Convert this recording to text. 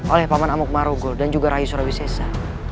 oleh paman amok marugul dan juga raya surawisesa